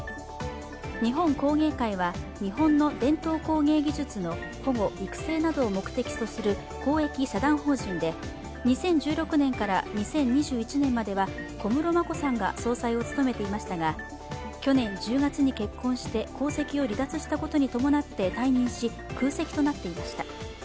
日本工芸会は、日本の伝統工芸技術の保護・育成などを目的とする公益社団法人で２０１６年から２０２１年までは小室眞子さんが総裁を務めていましたが去年１０月に結婚して皇籍を離脱したことに伴って退任し、空席となっていました。